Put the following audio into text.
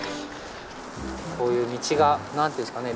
こういう道が何て言うんですかね